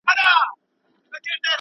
چې ولې په دې وچه خاوره کې.